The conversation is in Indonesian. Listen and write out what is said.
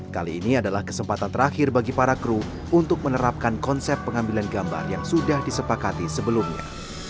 kali ini adalah kesempatan terakhir bagi para kru untuk menerapkan konsep pengambilan gambar yang sudah disepakati sebelumnya